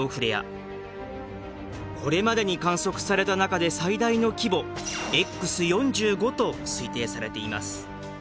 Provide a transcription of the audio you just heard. これまでに観測された中で最大の規模Ｘ４５と推定されています。